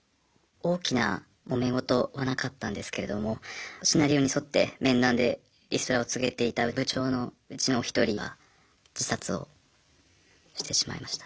大きなもめ事はなかったんですけれどもシナリオに沿って面談でリストラを告げていた部長のうちのお一人が自殺をしてしまいました。